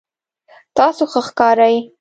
تاسو ښه ښکارئ